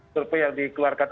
survei yang dikeluarkan